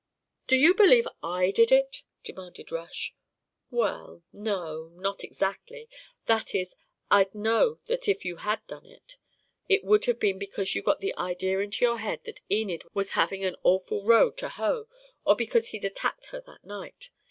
"Do you believe I did it?" demanded Rush. "Well, no, not exactly that is, I'd know that if you had done it, it would have been because you'd got the idea into your head that Enid was having an awful row to hoe, or because he'd attacked her that night.